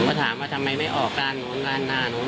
ก็ถามว่าทำไมไม่ออกด้านนู้นด้านหน้านู้น